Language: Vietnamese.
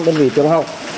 đơn vị trường học